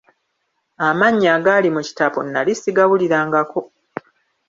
Amannya agaali mu kitabo nali sigawulirangako.